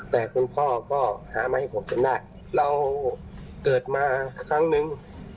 แต่คุณพ่อก็หามาให้ผมจนได้เราเกิดมาครั้งนึง